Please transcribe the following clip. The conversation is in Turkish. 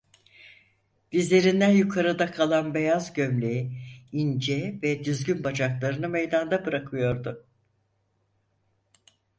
Dizlerinden yukarıda kalan beyaz gömleği ince ve düzgün bacaklarını meydanda bırakıyordu.